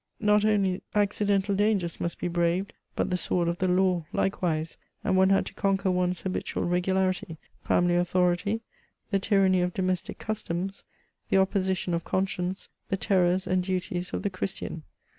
Not only acci dental dangers must be braved, but the sword of the law likewise, and one had to conquer one's habitual regularity, family authority, the tyranny of domestic customs, the oppo sition of conscience, the terrors and duties of the Christian.